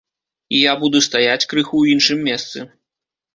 І я буду стаяць крыху ў іншым месцы.